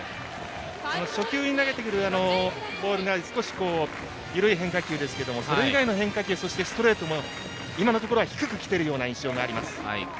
初球に投げてくるあのボールが少し緩い変化球ですけどそれ以外の変化球そしてストレートも今のところは低くきているような印象があります。